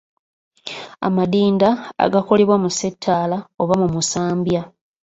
Amadinda agakolebwa mu ssettaala oba mu musambya.